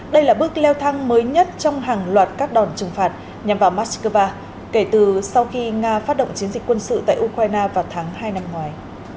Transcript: đây là bước leo thang mới nhất trong hàng loạt các đòn trừng phạt nhằm vào moscow kể từ sau khi nga phát động chiến dịch quân sự tại ukraine vào tháng hai năm ngoài